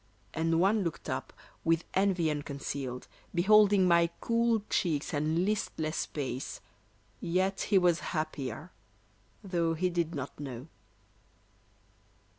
And one looked up, with envy unconcealed, Beholding my cool cheeks and listless pace, Yet he was happier, though he did not know.